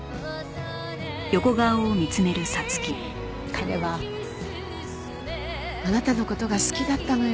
彼はあなたの事が好きだったのよ。